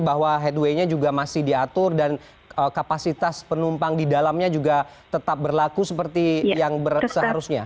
bahwa headway nya juga masih diatur dan kapasitas penumpang di dalamnya juga tetap berlaku seperti yang seharusnya